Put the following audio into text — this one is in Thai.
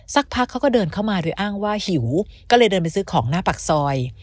สักพักเขาก็เดินเข้ามาโดยอ้างว่าหิวก็เลยเดินไปซื้อของหน้าปากซอย